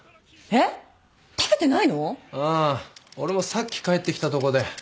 俺もさっき帰ってきたとこで。